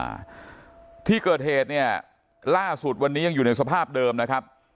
อ่าที่เกิดเหตุเนี่ยล่าสุดวันนี้ยังอยู่ในสภาพเดิมนะครับ